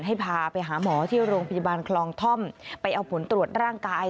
ให้พาไปหาหมอที่โรงพยาบาลคลองท่อมไปเอาผลตรวจร่างกาย